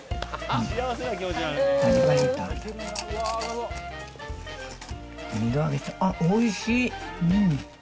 あっ、おいしい。